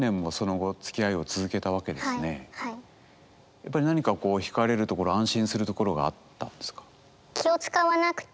やっぱり何かこうひかれるところ安心するところがあったんですか？